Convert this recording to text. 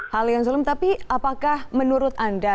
hal yang zolim tapi apakah menurut anda